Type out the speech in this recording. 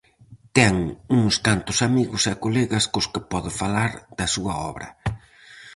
Ten uns cantos amigos e colegas cos que pode falar da súa obra.